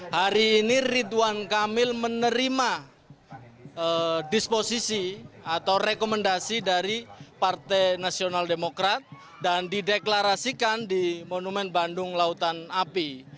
hari ini ridwan kamil menerima disposisi atau rekomendasi dari partai nasional demokrat dan dideklarasikan di monumen bandung lautan api